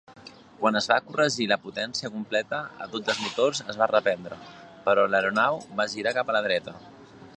Quan es va corregir la potència completa a tots els motors es va reprendre, però l"aeronau va girar cap a la dreta.